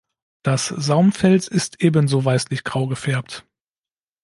Das Saumfeld ist ebenso weißlichgrau gefärbt.